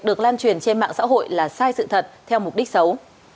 được lan truyền trên mạng xã hội là sai sự thật theo mục đích xấu